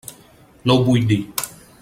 No ho vull dir.